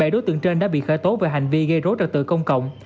bảy đối tượng trên đã bị khởi tố về hành vi gây rối trật tự công cộng